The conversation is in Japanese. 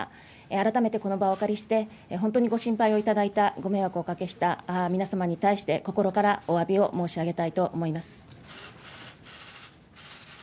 改めてこの場をお借りして、本当にご心配を頂いた、ご迷惑をおかけした皆様に対して心からおわびを申し上げたいと思います。